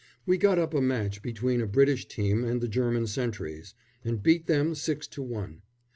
We got up a match between a British team and the German sentries, and beat them six to one.